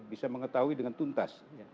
bisa mengetahui dengan tuntas